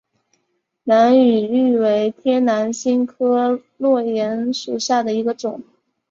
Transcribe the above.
兰屿芋为天南星科落檐属下的一个种。